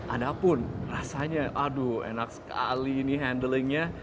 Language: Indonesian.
adapun rasanya aduh enak sekali ini handlingnya